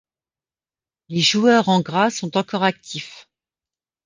Les joueurs en gras sont encore actifs.